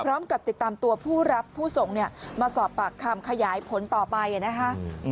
พร้อมกับติดตามตัวผู้รับผู้ส่งเนี่ยมาสอบปากคำขยายผลต่อไปนะคะ